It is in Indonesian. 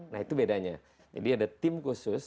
nah itu bedanya jadi ada tim khusus